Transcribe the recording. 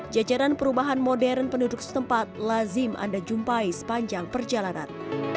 jajaran perubahan modern penduduk setempat lazim anda jumpai sepanjang perjalanan